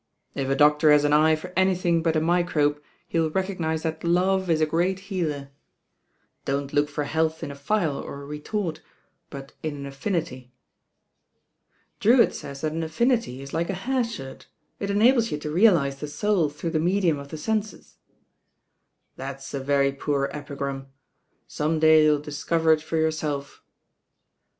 "If a doctor has an eye for anything but a microbe, he'll recognise that love is a great healer. LOST DAYS AKD THE DOC^TOE 09 D«i»t look for health in « phial or % rttort; but in an affinity." "Drcwitt says that an affinity is like a haiwhirt; It enables you to realise the soul through the medium of the senses." "That's a very poor epigram. Some day you'll discover it for yourself."